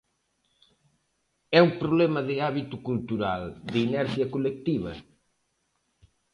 É un problema de hábito cultural, de inercia colectiva?